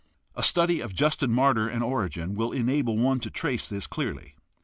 A study of Justin Martyr and Origen will enable one to trace this clearly.